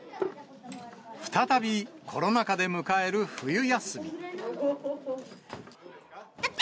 再び、コロナ禍で迎える冬休み。